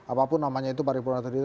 apapun namanya itu paripurna tertentu